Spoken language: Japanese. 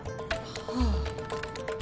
はあ。